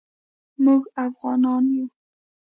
موږ افعانان یو